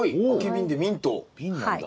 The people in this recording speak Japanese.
瓶なんだ。